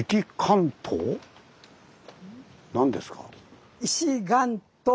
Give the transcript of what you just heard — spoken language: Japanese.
何ですか？